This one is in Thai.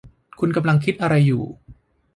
คุณกำลังคิดอะไรอยู่ ?